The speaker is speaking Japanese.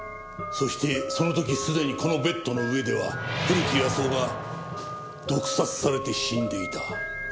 そしてその時すでにこのベッドの上では古木保男が毒殺されて死んでいた。